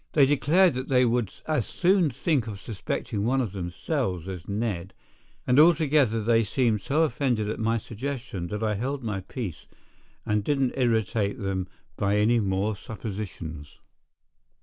They declared that they would as soon think of suspecting one of themselves as Ned, and altogether they seemed so offended at my suggestion that I held my peace and didn't irritate them by any more suppositions.